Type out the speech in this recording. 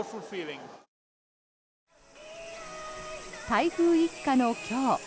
台風一過の今日